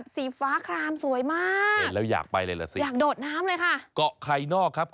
สวัสดีครับ